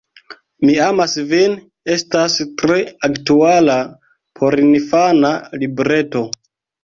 Mi amas vin estas tre aktuala porinfana libreto.